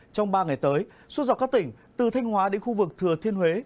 trong ba ngày tới suốt dọc các tỉnh từ thanh hóa đến khu vực thừa thiên huế